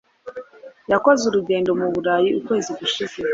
Yakoze urugendo mu Burayi ukwezi gushize.